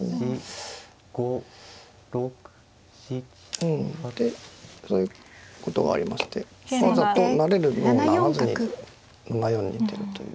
うんでそういうことがありましてわざと成れるのを成らずに７四に行っているという。